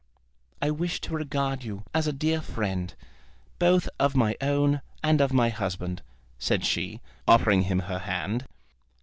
"I wish to regard you as a dear friend, both of my own and of my husband," said she, offering him her hand.